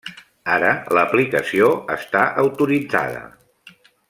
Ara l'aplicació està autoritzada!